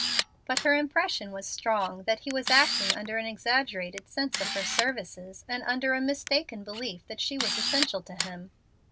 But her impression was strong that he was acting under an exaggerated sense of her services and under a mistaken belief that she was essential to him.